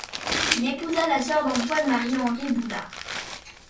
Il épousa la sœur d'Antoine-Marie-Henri Boulard.